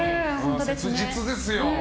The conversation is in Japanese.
切実ですよ。